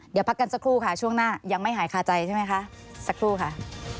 เดี๋ยวพักกันสักครู่ค่ะช่วงหน้ายังไม่หายคาใจใช่ไหมคะสักครู่ค่ะ